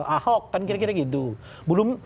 ahok kan kira kira gitu belum